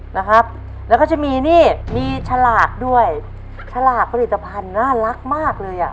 นะครับแล้วก็จะมีนี่มีฉลากด้วยฉลากผลิตภัณฑ์น่ารักมากเลยอ่ะ